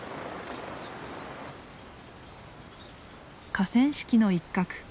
河川敷の一角。